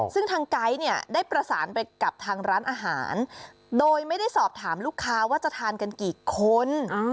ซึ่งทางไก๊เนี่ยได้ประสานไปกับทางร้านอาหารโดยไม่ได้สอบถามลูกค้าว่าจะทานกันกี่คน